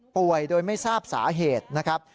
ป่วยโดยไม่ทราบสาเหตุนะครับ